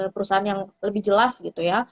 perusahaan yang lebih jelas gitu ya